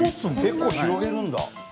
結構広げるんだ？